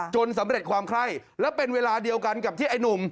สำเร็จความไข้และเป็นเวลาเดียวกันกับที่ไอ้หนุ่ม